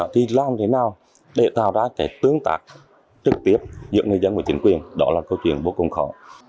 thì làm thế nào để tạo ra cái tương tác trực tiếp giữa người dân và chính quyền đó là câu chuyện vô cùng khó